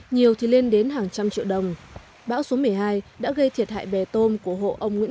nhiều thì lên đến hàng trăm triệu đồng bão số một mươi hai đã gây thiệt hại bè tôm của hộ ông nguyễn